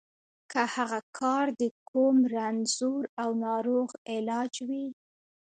که هغه کار د کوم رنځور او ناروغ علاج وي.